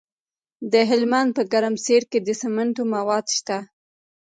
د هلمند په ګرمسیر کې د سمنټو مواد شته.